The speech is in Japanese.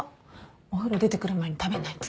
お風呂出てくる前に食べないと。